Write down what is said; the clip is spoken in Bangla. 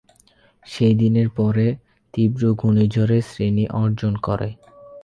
সেদিনের পরে তীব্র ঘূর্ণিঝড়ের শ্রেণি অর্জন করে।